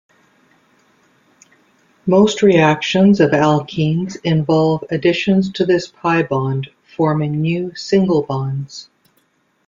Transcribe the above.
Most reactions of alkenes involve additions to this pi bond, forming new single bonds.